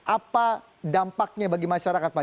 apa dampaknya bagi masyarakat pak